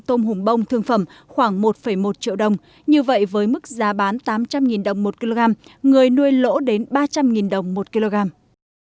tôm hùm bông được thương lái mua tại chỗ phòng nhưng không có nội dung được truyền tới quý vị trong năm phút của nhịp sống kinh tế ngày hôm nay